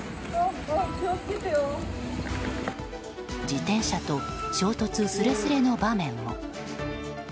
自転車と衝突すれすれの場面も。